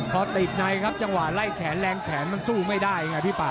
พอติดในครับจังหวะไล่แขนแรงแขนมันสู้ไม่ได้ไงพี่ป่า